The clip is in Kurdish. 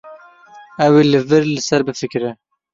Ew ê li vir li ser bifikire.